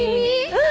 うん。